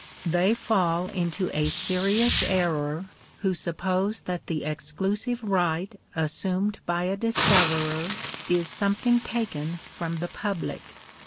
They fall into a serious error, who suppose that the exclusive right assumed by a discoverer, is something taken from the public.